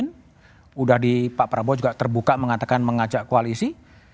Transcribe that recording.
sudah di pak prabowo juga terbuka mengatakan mengajak koalisi